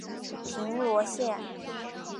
平罗线